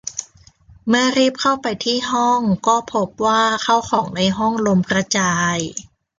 เมื่อรีบเข้าไปที่ห้องก็พบว่าข้าวของในห้องล้มกระจาย